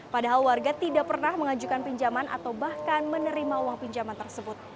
padahal warga tidak pernah mengajukan pinjaman atau bahkan menerima uang pinjaman tersebut